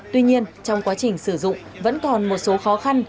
tuy nhiên trong quá trình sử dụng vẫn còn một số khó khăn